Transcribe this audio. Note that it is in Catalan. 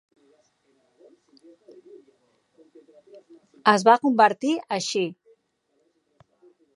Es va convertir així.